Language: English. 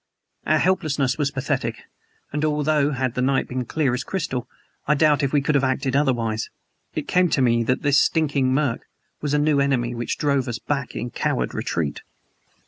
Our helplessness was pathetic, and although, had the night been clear as crystal, I doubt if we could have acted otherwise, it came to me that this stinking murk was a new enemy which drove us back in coward retreat.